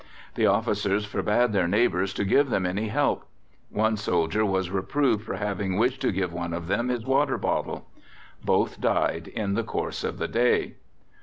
The officers forbade their neighbours to give them any help. One soldier was reproved for having wished to give one of them his water bottle. Both died in the course of the day.